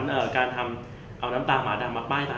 เอาน้ำตาหมาดำมาป้ายตา